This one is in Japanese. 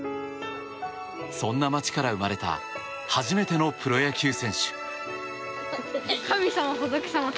そんな町から生まれた初めてのプロ野球選手。